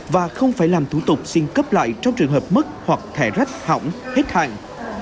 và không phải làm thủ tục xin cấp lại trong trường hợp mất hoặc thẻ rách hỏng hết hạn